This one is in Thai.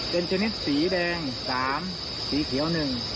เป็นชนิดสีแดง๓สีเขียว๑